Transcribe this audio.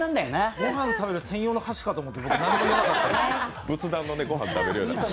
ご飯食べる専用の箸かと思って何も思わなかったです。